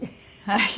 はい。